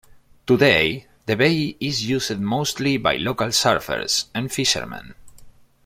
Today, the bay is used mostly by local surfers and fisherman.